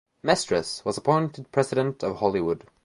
Mestres was appointed president of Hollywood.